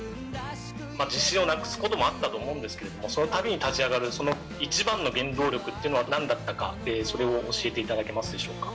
自信をなくすこともあったと思うんですけど、そのたびに立ち上がる、一番の原動力というのはなんだったか、それを教えていただけますでしょうか。